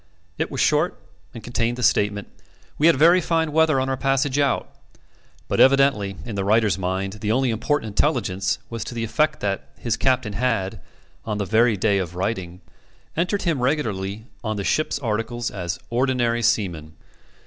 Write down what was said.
It was short, and contained the statement: "We had very fine weather on our passage out." But evidently, in the writer's mind, the only important intelligence was to the effect that his captain had, on the very day of writing, entered him regularly on the ship's articles as Ordinary Seaman.